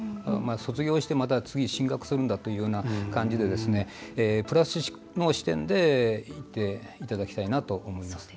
卒業してまた進学するんだというような感じで、プラスの視点でいていただきたいなと思います。